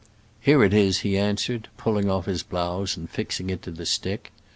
"Here it is," he answered, pulling off his blouse and fixing it to the stick.